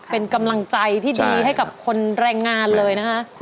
เป็นกำลังใจที่ดีให้กับคนแรงงานเลยนะคะ